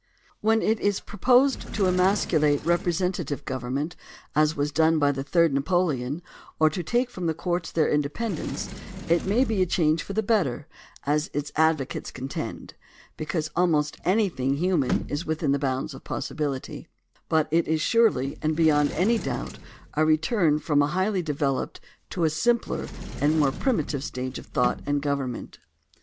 When 130 THE DEMOCRACY OF ABRAHAM LINCOLN it is proposed to emasculate representative govern ment; as was done by the Third Napoleon^ or to take from the courts their independence, it may be a change for the better, as its advocates contend, because ahnost anylihing human is within the bounds of possibihty, but it is surely and beyond any doubt a return from a highly developed to a simpler and more primitive stage of thought and government.